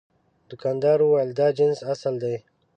دوکاندار وویل دا جنس اصل دی.